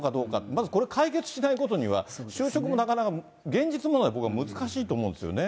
まずこれ、解決しないことには、就職もなかなか、現実問題僕は難しいと思うんですよね。